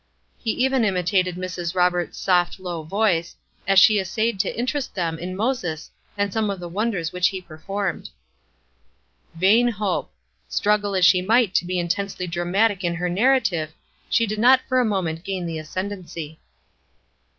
He even imitated Mrs. Roberts' soft, low voice, as she essayed to interest them in Moses and some of the wonders which he performed. Vain hope! Struggle as she might to be intensely dramatic in her narrative, she did not for a moment gain the ascendency.